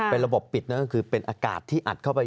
เป็นระบบปิดนั่นก็คือเป็นอากาศที่อัดเข้าไป